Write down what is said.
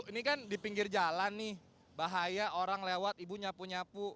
ini kan di pinggir jalan nih bahaya orang lewat ibu nyapu nyapu